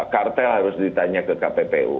kartel harus ditanya ke kppu